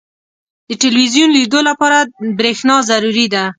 • د ټلویزیون لیدو لپاره برېښنا ضروري ده.